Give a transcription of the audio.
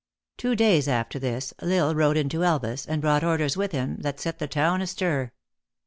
Two days after this, L Isle rode into Elvas, and brought orders with him that set the town astir.